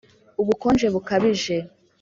ubukonje bukabije